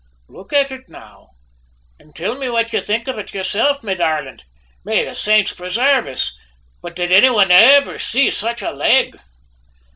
Look at it now, an' till me what ye think of it yoursilf, me darlint. May the saints presairve us, but did any one iver say such a leg?"